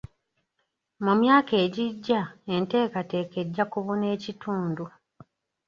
Mu myaka egijja enteekateeka ejja kubuna ekitundu.